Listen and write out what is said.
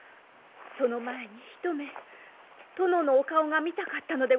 その前に一目殿のお顔が見たかったのでございます。